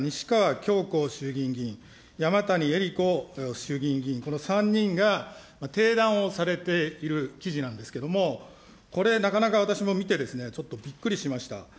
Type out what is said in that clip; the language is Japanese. きょうこ衆議院議員、山谷えり子衆議院議員、この３人がてい談をされている記事なんですけれども、これ、なかなか私も見て、ちょっとびっくりしました。